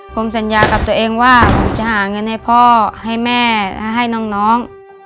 ผมสัญญากับตัวเองว่าผมจะหาเงินให้พ่อให้แม่ให้น้อง